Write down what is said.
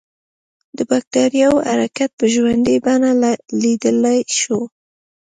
د بکټریاوو حرکت په ژوندۍ بڼه لیدلای شو.